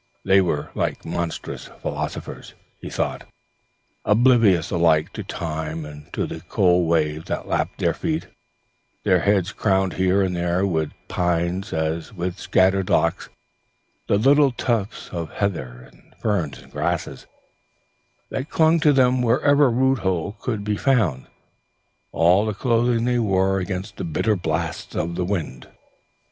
They were like monstrous philosophers, he thought, oblivious alike to time and to the cold waves that lapped their feet; their heads crowned here and there with pines as with scattered locks, the little tufts of heather and fern and grasses, that clung to them wherever root hold could be found, all the clothing they wore against the bitter blasts of the winds.